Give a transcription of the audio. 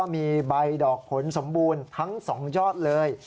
มีใบดอกผลสมบูรณ์ทั้ง๒ยอดเลย